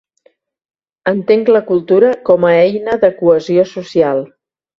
Entenc la cultura com a eina de cohesió social.